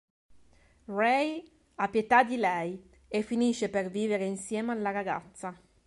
Ray ha pietà di lei e finisce a vivere insieme alla ragazza.